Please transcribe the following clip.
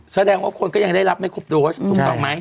แสดงว่าคนก็ยังได้รับไม่ครบโดสถูกต้องไหม